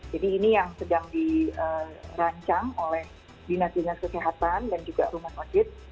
jadi ini yang sedang dirancang oleh dinas dinas kesehatan dan juga rumah sakit